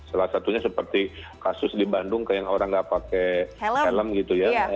salah satunya seperti kasus di bandung kayak orang nggak pakai helm gitu ya